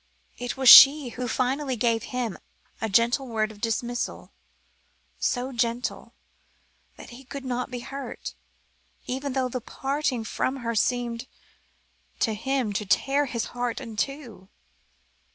It was she who finally gave him a gentle word of dismissal, so gentle, that he could not be hurt, even though the parting from her seemed to him to tear his heart in two.